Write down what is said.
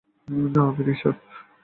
না, আমি রিচার্ড।